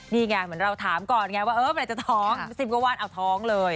นี่ไงเหมือนเราถามก่อนไงว่า๑๐กว่าวันเอาท้องเลย